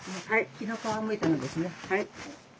昨日皮むいたのですね。